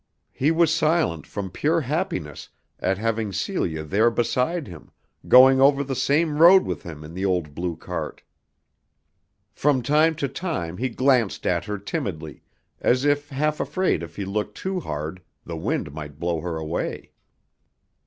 He was silent from pure happiness at having Celia there beside him, going over the same road with him in the old blue cart. From time to time he glanced at her timidly as if half afraid if he looked too hard the wind might blow her away.